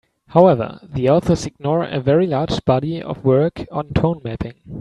However, the authors ignore a very large body of work on tone mapping.